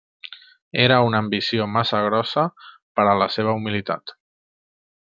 Era una ambició massa grossa per a la seva humilitat.